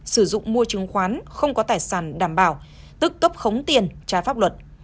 sử dụng mua chứng khoán không có tài sản đảm bảo tức cấp khống tiền trái pháp luật